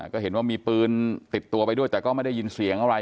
ก็เห็นว่ามีปืนติดตัวไปด้วยแต่ก็ไม่ได้ยินเสียงอะไร